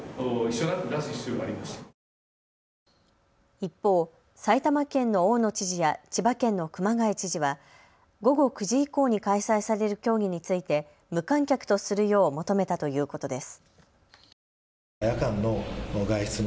一方、埼玉県の大野知事や千葉県の熊谷知事は午後９時以降に開催される競技について無観客とするよう求めたということです。